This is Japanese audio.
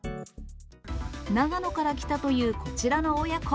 長野から来たというこちらの親子。